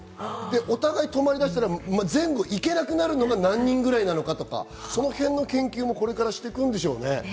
お互い止まりだしたら前後に行けなくなるのが何人ぐらいなのかとか、そのへんの研究もこれからしていくんでしょうね。